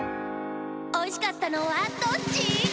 おいしかったのはどっち？